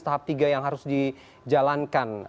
tahap tiga yang harus dijalankan